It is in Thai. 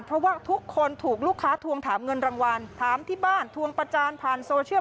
เพราะว่าทุกคนถูกลูกค้าทวงถามเงินรางวัลถามที่บ้านทวงประจานผ่านโซเชียล